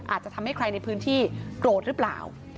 อาจจะทำให้ใครในพื้นที่โกรธหรือเปล่า